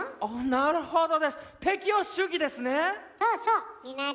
なるほど！